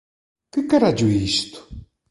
Que carallo é isto?